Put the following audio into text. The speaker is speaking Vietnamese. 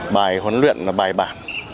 bài huấn luyện là bài bản